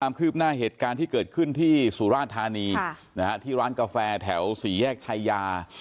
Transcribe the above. ความคืบหน้าเหตุการณ์ที่เกิดขึ้นที่สุราธานีที่ร้านกาแฟแถวสี่แยกชายา